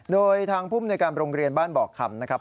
โดยทางภูมิในการโรงเรียนบ้านบอกคำนะครับ